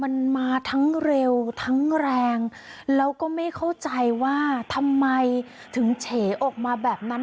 มันมาทั้งเร็วทั้งแรงแล้วก็ไม่เข้าใจว่าทำไมถึงเฉออกมาแบบนั้น